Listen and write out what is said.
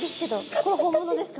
これ本物ですか？